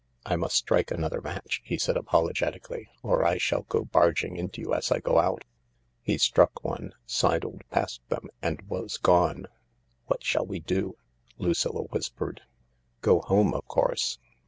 " I must strike another match," he said apologetically, " or I shall go barging into you as I go out." He struck one, sidled past them, and was gone. " What shall we do ?" Lucilla whispered. " Go home, of course.